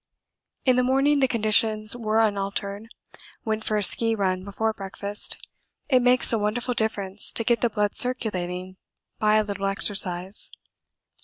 In the morning the conditions were unaltered. Went for a ski run before breakfast. It makes a wonderful difference to get the blood circulating by a little exercise.